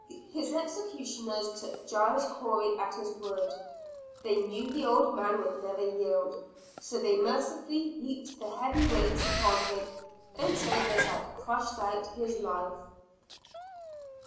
His executioners took Giles Corey at his word. They knew the old man would never yield. So they mercifully heaped the heavy weights upon him until they had crushed out his life.